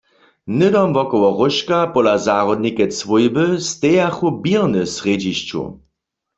Hnydom wokoło róžka pola Zahrodnikec swójby stejachu běrny w srjedźišću.